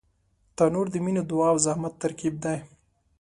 تنور د مینې، دعا او زحمت ترکیب دی